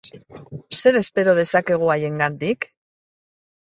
Zer espero dezakegu haiengandik?